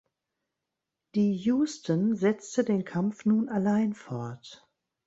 Die "Houston" setzte den Kampf nun allein fort.